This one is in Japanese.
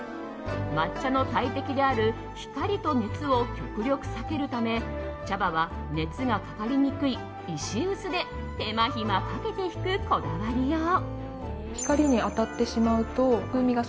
抹茶の大敵である光と熱を極力避けるため茶葉は熱がかかりにくい石臼で手間暇かけてひくこだわりよう。